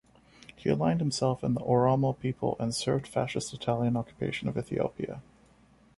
He aligned himself and the Oromo people and served fascist Italian occupation of Ethiopia.